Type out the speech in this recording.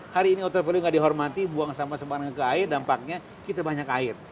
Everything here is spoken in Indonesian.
hari ini water value gak dihormati buang sama sama ke air dampaknya kita banyak air